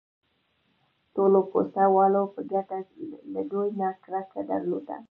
ټولو کوڅه والو په ګډه له دوی نه کرکه درلوده.